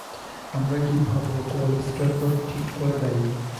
আমরা কি ভাবব কোয়ালিস্টরা তা ঠিক করে দেয়।